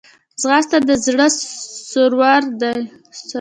ځغاسته د زړه سرور ده